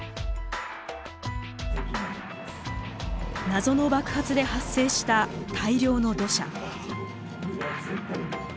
謎の爆発で発生した大量の土砂。